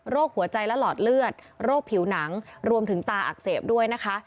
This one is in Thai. หัวใจและหลอดเลือดโรคผิวหนังรวมถึงตาอักเสบด้วยนะคะ